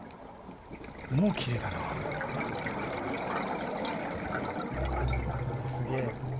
もうきれいだなあ。